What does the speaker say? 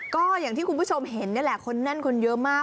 ก็อย่างที่คุณผู้ชมเห็นนี่แหละคนแน่นคนเยอะมาก